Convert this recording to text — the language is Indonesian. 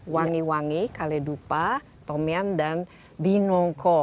wangi wangi kaledupa tomian dan binongko